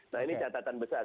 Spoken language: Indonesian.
nah ini catatan besar